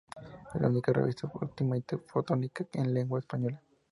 Es la única revista de óptica y fotónica en lengua Española.